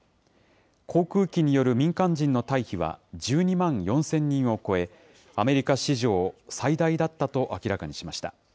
航空機による民間人の退避は１２万４０００人を超え、アメリカ史上最大だったと明らかにしました。